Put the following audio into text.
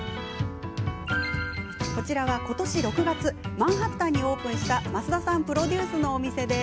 こちらは、今年６月マンハッタンにオープンした増田さんプロデュースのお店。